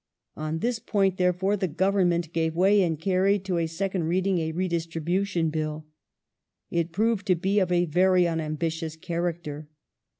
On this point, therefore, the Government gave way and carried to a second reading a redistribution Bill. It proved to be of a very unambitious character.